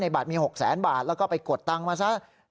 ในบัตรมี๖๐๐๐๐๐บาทแล้วก็ไปกดตังมาซะ